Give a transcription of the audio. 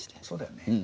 そうだよね。